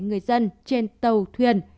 người dân trên tàu thuyền